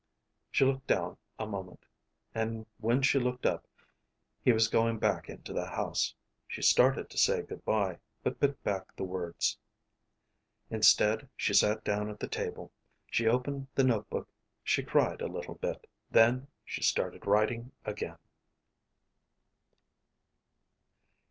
She looked down a moment, and when she looked up he was going back into the house. She started to say good bye, but bit back the words. Instead, she sat down at the table; she opened the notebook; she cried a little bit. Then she started writing again.